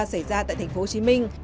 xảy ra tại tp hcm